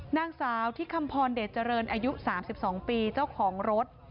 นางสาวที่คำพรเดชเจริญอายุ๓๒ปีเจ้าของรถ